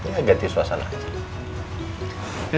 ya ganti suasana aja